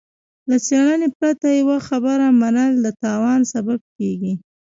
له څېړنې پرته يوه خبره منل د تاوان سبب کېږي.